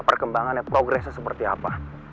perkembangannya progresnya seperti apa